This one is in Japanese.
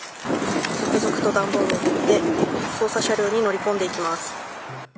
続々と段ボールを持って捜査車両に乗り込んでいきます。